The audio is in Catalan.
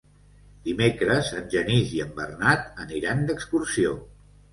Dimecres en Genís i en Bernat aniran d'excursió.